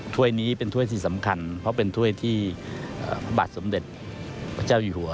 ถ้วยนี้เป็นถ้วยที่สำคัญเพราะเป็นถ้วยที่พระบาทสมเด็จพระเจ้าอยู่หัว